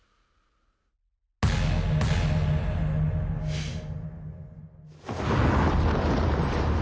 フッ。